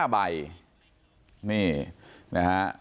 ๓๒๘๑๕ใบนี่นะฮะ